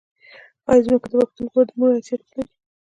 آیا ځمکه د پښتون لپاره د مور حیثیت نلري؟